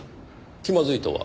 気まずいとは？